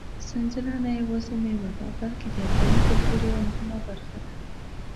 سنځله نه یوازې مېوه ده، بلکې د افغاني کلتور یوه مهمه برخه ده.